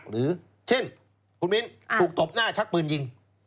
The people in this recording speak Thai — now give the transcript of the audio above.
หรือเช่นคุณมิ้นถูกตบหน้าชักปืนยิง